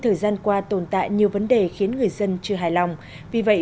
thời gian qua tồn tại nhiều vấn đề khiến người dân chưa hài lòng vì vậy